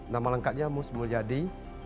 nama lengkapnya mus mulyadi